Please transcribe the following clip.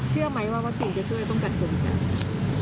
เชื่อไหมว่าวัคซีนจะช่วยป้องกันคนกัน